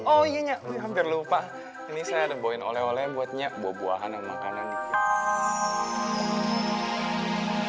oh iya nyak gue hampir lupa ini saya ada boin oleh oleh buat nyak gue jadi nyamperin aja dong ini namanya dreams come true impian jadi kenyataan